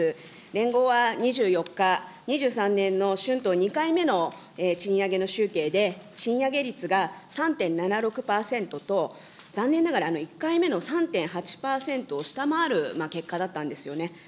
連合は２４日、２３年の春闘２回目の賃上げの集計で賃上げ率が３．７６％と、残念ながら１回目の３．８％を下回る結果だったんですよね。